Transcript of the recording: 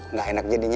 nggak enak jadinya